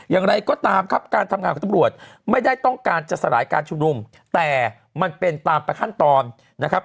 อย่างไรก็ตามครับการทำงานของตำรวจไม่ได้ต้องการจะสลายการชุมนุมแต่มันเป็นตามประขั้นตอนนะครับ